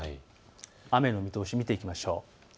雨の見通しを見ていきましょう。